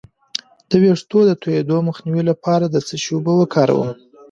د ویښتو د تویدو مخنیوي لپاره د څه شي اوبه وکاروم؟